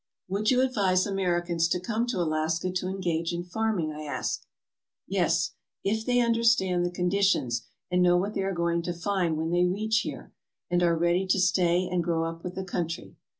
" Would you advise Americans to come to Alaska to engage in farming?" I asked. " Yes, if they understand the conditions and know what they are going to find when they reach here and are ready to stay and grow up with the country.